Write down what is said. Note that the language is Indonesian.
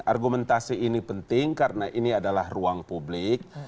argumentasi ini penting karena ini adalah ruang publik